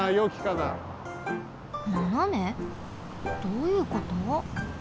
どういうこと？